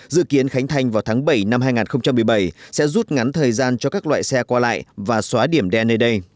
dự kiến khánh thành vào tháng bảy năm hai nghìn một mươi bảy sẽ rút ngắn thời gian cho các loại xe qua lại và xóa điểm đen nơi đây